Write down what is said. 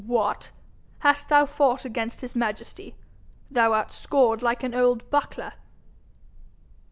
What! hast thou fought against his majesty? Thou art scored like an old buckler!'